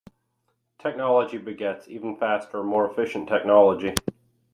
Technology begets even faster more efficient technology.